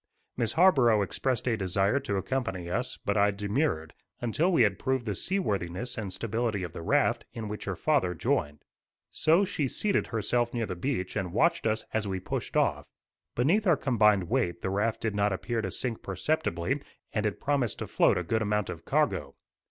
Miss Harborough expressed a desire to accompany us, but I demurred, until we had proved the seaworthiness and stability of the raft, in which her father joined. So she seated herself near the beach and watched us as we pushed off. Beneath our combined weight the raft did not appear to sink perceptibly, and it promised to float a good amount of cargo.